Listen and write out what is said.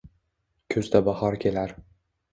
Kuzda bahor kelar